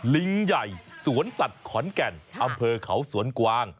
ลิงใหญ่สวนสัตว์ขอนแก่นอำเภอเขาสวนกวาง